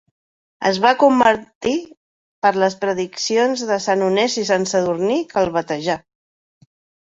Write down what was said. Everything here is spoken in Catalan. Es va convertir per les predicacions de Sant Honest i Sant Sadurní, que el batejà.